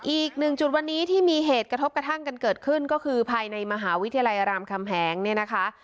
อีกหนึ่งจุดวันนี้ที่มีเหตุกระทบกระทั่งกันเกิดขึ้นก็คือภายในมหาวิทยาลัยรามคำแหงเนี่ยนะคะ